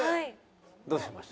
どうしました？